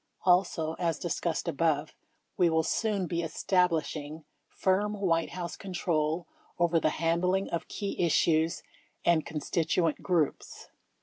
Also, as discussed above, we will soon be establish ing firm White House control over the handling of key issues and constituent groups.